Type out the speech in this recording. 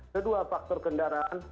kedua faktor kendaraan